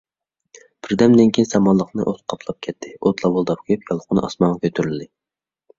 بىردەمدىن كېيىن سامانلىقنى ئوت قاپلاپ كەتتى، ئوت لاۋۇلداپ كۆيۈپ، يالقۇنى ئاسمانغا كۆتۈرۈلدى.